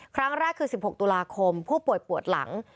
ครั้งแรกคือ๑๖ตุลาคมผู้ป่วยปวดหลัง